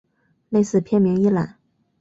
类似片名一览